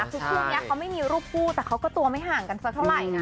คือคู่นี้เขาไม่มีรูปคู่แต่เขาก็ตัวไม่ห่างกันสักเท่าไหร่นะ